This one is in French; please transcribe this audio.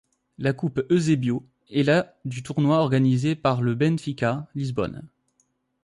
La Coupe Eusébio est la du tournoi organisé par le Benfica Lisbonne.